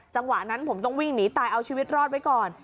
จังหวะนั้นผมต้องวิ่งหนีตายเอาชีวิตรอดไว้ก่อน